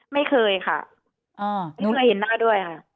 ไม่เคยค่ะไม่เคยเห็นหน้าด้วยค่ะ